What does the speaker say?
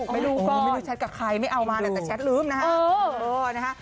ไม่รู้ชัดกับใครไม่เอามาแต่แชทลืมนะครับ